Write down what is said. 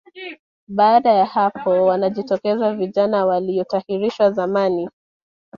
Baada ya hapo wanajitokeza vijana waliokwishatahiriwa zamani